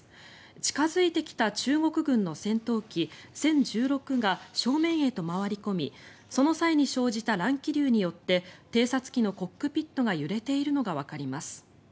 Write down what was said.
近付いてきた中国軍の戦闘機、殲１６が正面へと回り込みその際に生じた乱気流によって偵察機のコックピットが揺れているのがわかります。